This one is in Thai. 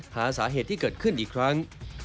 หาสาเหตุที่เกิดขึ้นอีกครั้ง